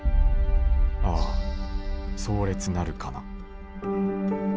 ああ壮烈なるかな」。